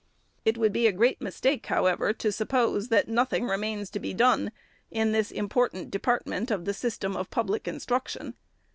It would be a great mistake, how ever, to suppose, that nothing remains to be done in this important department of the system of public instruction.